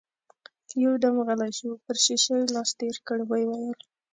يودم غلی شو، پر شيشه يې لاس تېر کړ، ويې ويل: